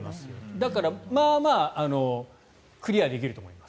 だからまあまあクリアできると思います。